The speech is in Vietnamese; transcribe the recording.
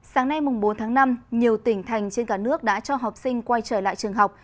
sáng nay bốn tháng năm nhiều tỉnh thành trên cả nước đã cho học sinh quay trở lại trường học